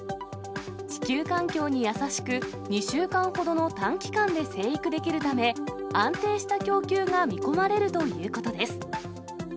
地球環境に優しく、２週間ほどの短期間で生育できるため、安定した供給が見込まれるということです。